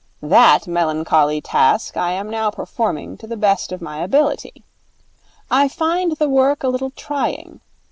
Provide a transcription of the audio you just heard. That melancholy task I am now performing to the best of my ability. I find the work a little trying.